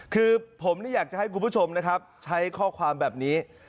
คือผมอยากจะให้กลุ่มผู้ชมใช้ข้อความแบบนี้